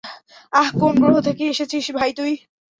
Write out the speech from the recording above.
আহ, কোন গ্রহ থেকে এসেছিস ভাই তুই?